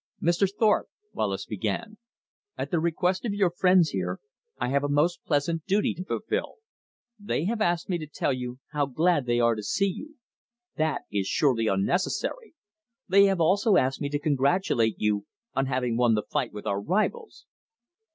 "Mr. Thorpe," Wallace began, "at the request of your friends here, I have a most pleasant duty to fulfill. They have asked me to tell you how glad they are to see you; that is surely unnecessary. They have also asked me to congratulate you on having won the fight with our rivals."